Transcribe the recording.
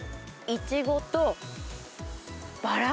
いちごとバラ。